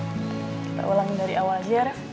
kita ulang dari awal aja reva